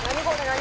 何？